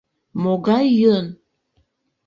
Могай йӧн?